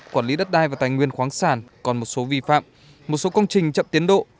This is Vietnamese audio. quản lý đất đai và tài nguyên khoáng sản còn một số vi phạm một số công trình chậm tiến độ